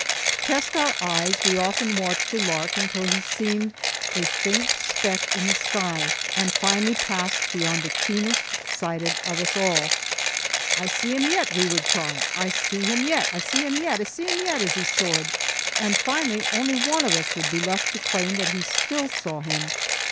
To test our eyes we often watched a lark until he seemed a faint speck in the sky and finally passed beyond the keenest sighted of us all. "I see him yet!" we would cry, "I see him yet!" "I see him yet!" "I see him yet!" as he soared. And finally only one of us would be left to claim that he still saw him.